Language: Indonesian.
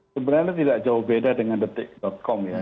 sebenarnya tidak jauh beda dengan detik com ya